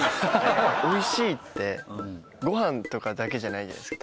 美味しいってご飯とかだけじゃないじゃないですか。